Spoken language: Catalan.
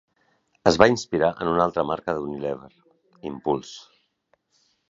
Es va inspirar en una altra marca d'Unilever, Impulse.